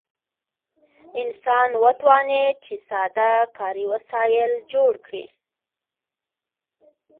انسان وتوانید چې ساده کاري وسایل جوړ کړي.